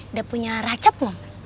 udah punya racap doms